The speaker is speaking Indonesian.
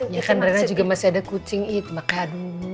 ya kan rena juga masih ada kucing itu maka aduh